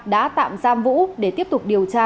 đã tạm giam vũ để tiếp tục điều tra